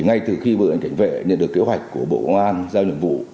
ngay từ khi bộ tư lệnh cảnh vệ nhận được kế hoạch của bộ công an giao nhiệm vụ